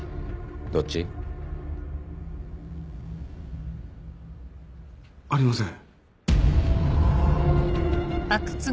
どっち？ありません。